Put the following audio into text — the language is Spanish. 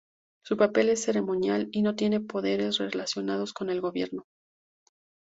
Su papel es ceremonial y no tiene poderes relacionados con el Gobierno.